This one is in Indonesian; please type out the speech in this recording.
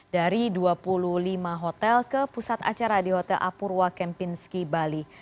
dari dua puluh lima hotel ke pusat acara di hotel apurwa kempinski bali